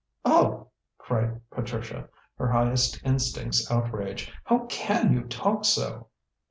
"Oh," cried Patricia, her highest instincts outraged, "how can you talk so?"